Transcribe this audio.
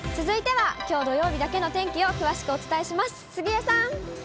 続いては、きょう土曜日だけの天気を詳しくお伝えします。